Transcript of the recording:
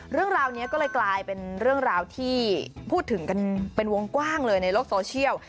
เรื่องราวนี้ก็เลยกลายเป็นเรื่องราวที่พูดถึงกันเป็นวงกว้างเลยในโลกโซเชียล